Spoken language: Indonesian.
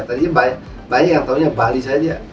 tadinya banyak yang tahunya bali saja